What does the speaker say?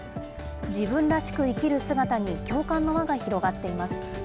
自分らしく生きる姿に共感の輪が広がっています。